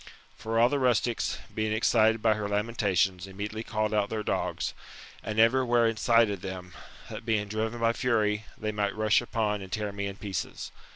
For all the rustics, being excited by her lamentations, immediately called out their dogs, and every where incited them, that being driven by fury, they might rush upon and tear me in pieces.